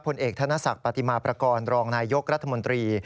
ผลเอกธนศักดิ์ปฏิมาประกอบรองนายยกรัฐมนตรี